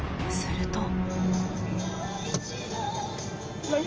すると。